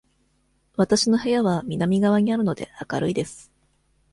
わたしの部屋は南側にあるので、明るいです。